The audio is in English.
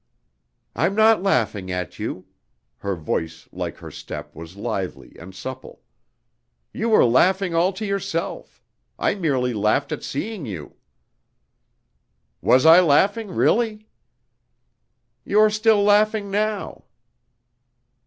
"I'm not laughing at you" (her voice like her step was lively and supple) "you were laughing all to yourself; I merely laughed at seeing you." "Was I laughing, really?" "You are still laughing now."